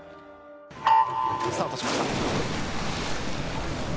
スタートしました。